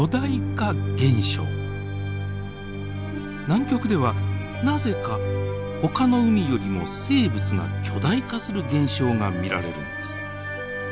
南極ではなぜかほかの海よりも生物が巨大化する現象が見られるのです。